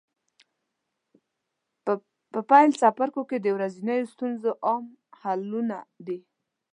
په پیل څپرکو کې د ورځنیو ستونزو عام حلونه دي.